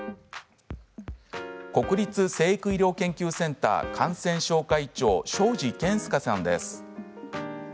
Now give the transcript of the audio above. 国立成育医療研究センター感染症科医長、庄司健介さんです。